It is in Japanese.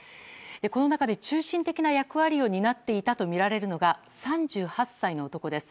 この中で中心的な役割を担っていたとみられるのが３８歳の男です。